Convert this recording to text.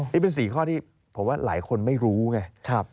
นี่เป็นสี่ข้อที่หลายคนไม่รู้ไง